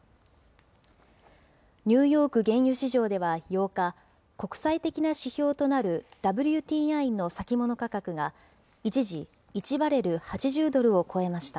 ニューヨーク原油市場では８日、国際的な指標となるＷＴＩの先物価格が一時、１バレル８０ドルを超えました。